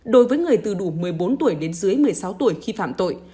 đối với người từ đủ một mươi bốn tuổi đến dưới một mươi sáu tuổi khi phạm tội